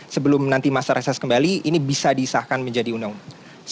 sebelum nanti masa reses kembali ini bisa disahkan menjadi undang undang